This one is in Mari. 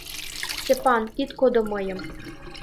Степан, ит кодо мыйым!..